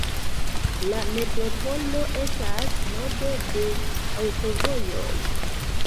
La metropolo estas nodo de aŭtovojoj.